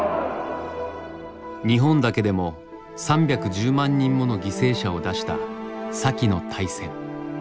日本だけでも３１０万人もの犠牲者を出した先の大戦。